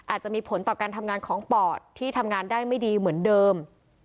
อาจจะมีผลต่อการทำงานของปอดที่ทำงานได้ไม่ดีเหมือนเดิม